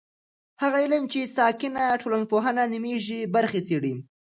هغه علم چې ساکنه ټولنپوهنه نومیږي برخې څېړي.